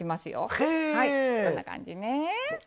はいこんな感じね。